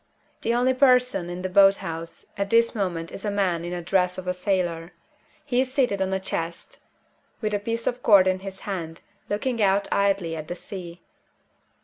The only person in the boat house at this moment is a man in the dress of a sailor. He is seated on a chest, with a piece of cord in his hand, looking out idly at the sea.